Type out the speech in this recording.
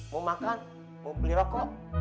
mau makan mau beli rokok